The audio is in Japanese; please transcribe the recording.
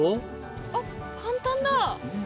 あっ簡単だ！